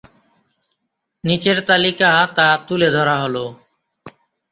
নিচের তালিকা তা তুলে ধরা হলো।